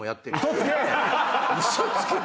「嘘つけ」って。